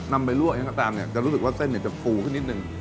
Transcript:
นำไปลวกเองก็ตามเนี่ยจะรู้สึกว่าเส้นจะฟูขึ้นนิดนึง